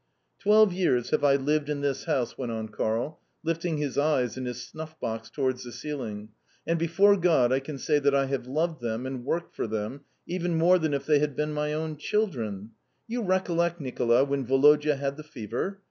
"Twelve years have I lived in this house," went on Karl, lifting his eyes and his snuff box towards the ceiling, "and before God I can say that I have loved them, and worked for them, even more than if they had been my own children. You recollect, Nicola, when Woloda had the fever?